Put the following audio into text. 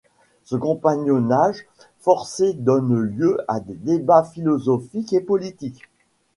Ce compagnonnage forcé donne lieu à des débats philosophiques et politiques.